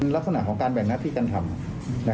สึกฉะนั้นลักษณะของการแบ่งหน้าพิกันทำ